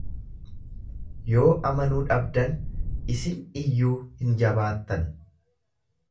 Yoo amanuu dhabdan isin iyyuu hin jabaattan.